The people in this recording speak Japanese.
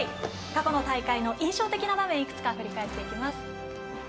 過去の大会の印象的な場面をいくつか振り返っていきます。